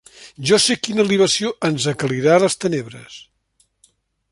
Jo sé quina libació ens aclarirà les tenebres.